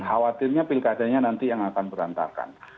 khawatirnya pilih keadanya nanti yang akan berantakan